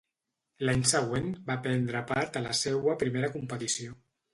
L'any següent, va prendre part a la seua primera competició.